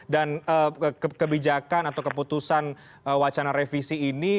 dan kebijakan atau keputusan wacana revisi ini